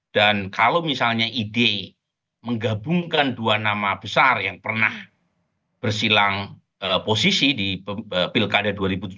dan kalau misalnya ide menggabungkan dua nama besar yang pernah bersilang posisi di pilkada dua ribu tujuh belas